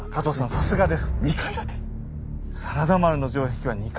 さすがです。